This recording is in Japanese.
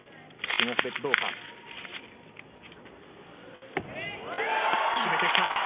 種目別では決めてきた！